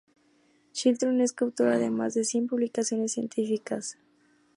Chilton es coautora de más de cien publicaciones científicas.